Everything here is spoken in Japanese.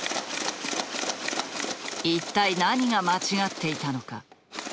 一体何が間違っていたのか。